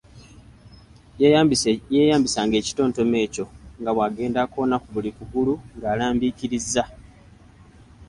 Yeeyambisanga ekitontome ekyo nga bwagenda akoona ku buli kugulu nga alambiikiriza.